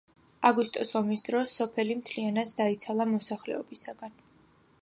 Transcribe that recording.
აგვისტოს ომის დროს სოფელი მთლიანად დაიცალა მოსახლეობისაგან.